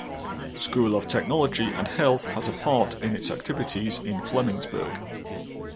School of Technology and Health has a part of its activities in Flemingsberg.